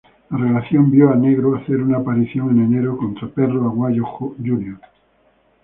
La relación vio a Negro hacer una aparición en enero contra Perro Aguayo Jr.